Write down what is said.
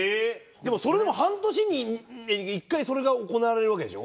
でもそれでも半年に１回それが行われるわけでしょ？